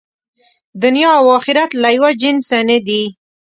دنیا او آخرت له یوه جنسه نه دي.